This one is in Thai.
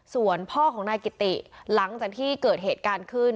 ส่วนพ่อของนายกิติหลังจากที่เกิดเหตุการณ์ขึ้น